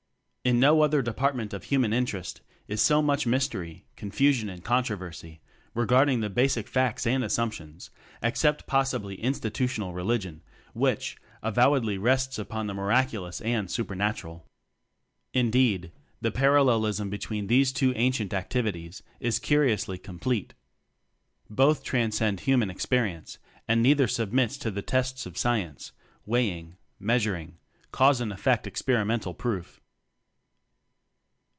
In no other department of human interest is so much mystery, confu sion and controversy regarding the basic "facts" and assumptions, except possibly institutional religion which, avowedly, rests upon the miraculous and supernatural. Indeed, the paral lelism between these two ancient ac tivities is curiously complete. Both transcend human experience, and neither submits to the tests of Sci ence weighing, measuring, cause and effect experimental proof.